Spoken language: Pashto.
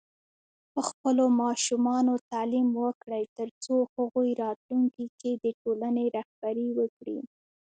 په خپلو ماشومانو تعليم وکړئ، ترڅو هغوی راتلونکي کې د ټولنې رهبري وکړي.